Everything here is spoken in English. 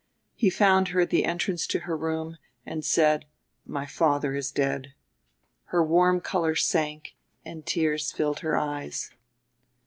He found her at the entrance to her room, and said, "My father is dead." Her warm color sank and tears filled her eyes.